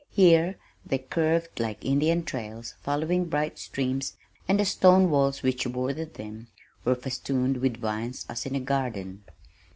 Here they curved like Indian trails following bright streams, and the stone walls which bordered them were festooned with vines as in a garden.